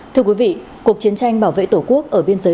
thưa quý vị cuộc chiến tranh bảo vệ tổ quốc ở biên giới